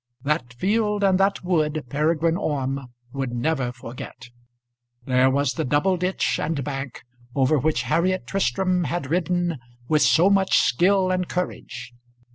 That field and that wood Peregrine Orme would never forget. There was the double ditch and bank over which Harriet Tristram had ridden with so much skill and courage.